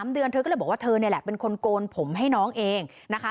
เดือนเธอก็เลยบอกว่าเธอนี่แหละเป็นคนโกนผมให้น้องเองนะคะ